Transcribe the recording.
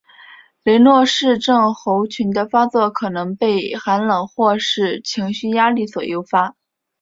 雷诺氏症候群的发作可能被寒冷或是情绪压力所诱发。